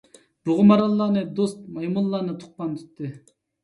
بۇغا، ماراللارنى دوست، مايمۇنلارنى تۇغقان تۇتتى.